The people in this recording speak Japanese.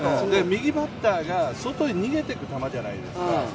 右バッターが外に逃げていく球じゃないですか